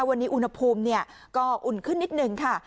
วันนี้อุณหภูมิก็อุ่นขึ้นนิดหนึ่งค่ะ